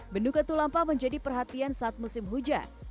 bendung katulampa menjadi perhatian saat musim hujan